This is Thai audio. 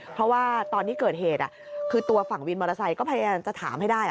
เพราะว่าตอนที่เกิดเหตุคือตัวฝั่งวินมอเตอร์ไซค์ก็พยายามจะถามให้ได้